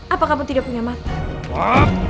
apa kamu tidak punya makan